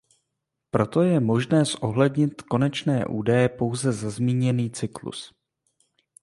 Proto je možné zohlednit konečné údaje pouze za zmíněný cyklus.